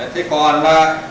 thế còn là